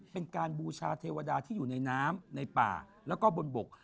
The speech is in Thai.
เป็นการบูชาเทวดาที่อยู่ในน้ำในป่าแล้วก็บนบก